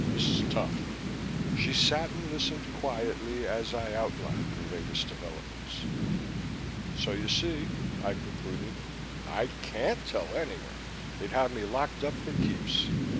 This is tough." She sat and listened quietly as I outlined the latest developments. "So you see," I concluded, "I can't tell anyone. They'd have me locked up for keeps."